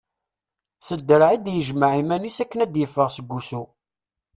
S draɛ i d-yejmeɛ iman-is akken ad d-iffeɣ seg wussu.